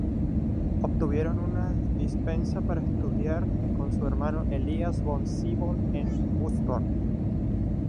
Obtuvieron una dispensa para estudiar con su hermano Elias von Siebold en Würzburg.